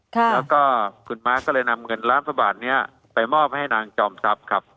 แล้วก็คุณม้าก็เลยนำเงินล้านกว่าบาทนี้ไปมอบให้นางจอมทรัพย์ครับ